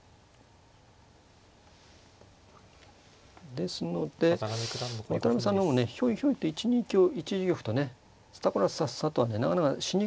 ですので渡辺さんの方もねひょいひょいと１二香１一玉とねすたこらさっさとはねなかなかしにくいんですよね。